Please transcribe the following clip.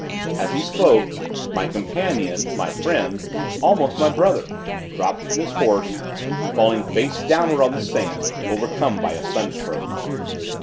As he spoke, my companion, my friend, almost a brother, dropped from his horse, falling face downward on the sand, overcome by a sunstroke.